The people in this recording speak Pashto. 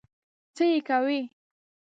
څه یې کوې؟